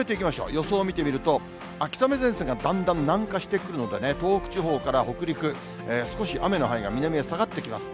予想を見てみると、秋雨前線がだんだん南下してくるのでね、東北地方から北陸、少し雨の範囲が南へ下がってきます。